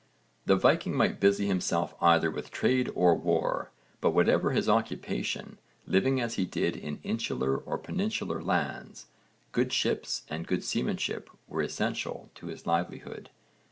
The Viking might busy himself either with war or trade, but whatever his occupation, living as he did in insular or peninsular lands, good ships and good seamanship were essential to his livelihood.